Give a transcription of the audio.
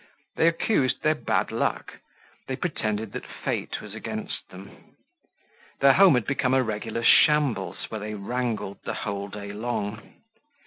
They accused their bad luck; they pretended that fate was against them. Their home had become a regular shambles where they wrangled the whole day long.